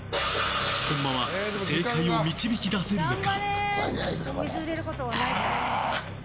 本間は正解を導き出せるのか。